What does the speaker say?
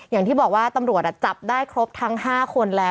อย่างที่บอกว่าตำรวจจับได้ครบทั้ง๕คนแล้ว